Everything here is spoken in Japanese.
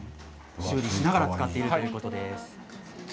修理をしながら使っているということです。